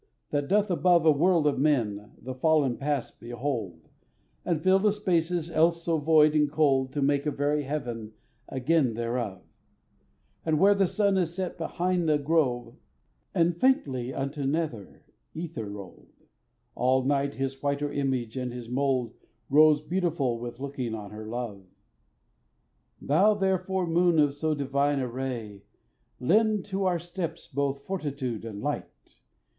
that doth above A world of men, the fallen Past behold, And fill the spaces else so void and cold To make a very heaven again thereof; As when the sun is set behind a grove, And faintly unto nether ether rolled, All night his whiter image and his mould Grows beautiful with looking on her love. Thou therefore, moon of so divine a ray, Lend to our steps both fortitude and light!